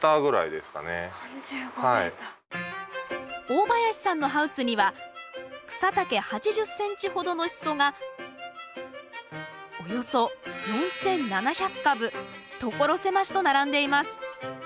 大林さんのハウスには草丈８０ｃｍほどのシソがおよそ４，７００株所狭しと並んでいます。